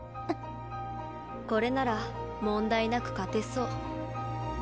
これなら問題なく勝てそう。